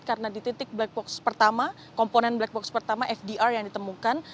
karena di titik black box pertama komponen black box pertama fdr yang ditemukan